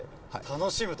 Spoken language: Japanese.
楽しむと。